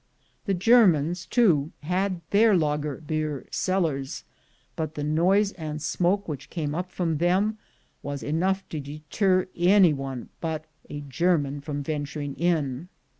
The Germans too had their lager beer cellars, but the noise and smoke which came up from them was enough to deter any one but a German from ventur ing in.